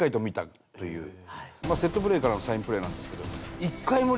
セットプレーからのサインプレーなんですけど。